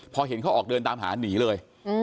พอเห็นเขาออกเดินตามหาหนีเลย